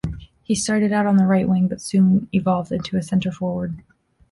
He started out on the right wing but soon evolved into a centre forward.